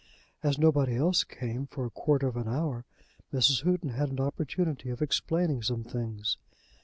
As nobody else came for a quarter of an hour Mrs. Houghton had an opportunity of explaining some things.